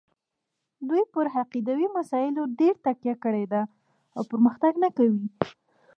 دوی پر عقیدوي مسایلو ډېره تکیه کړې ده او پرمختګ نه کوي.